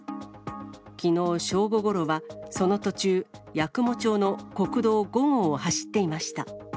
きのう正午ごろは、その途中、八雲町の国道５号を走っていました。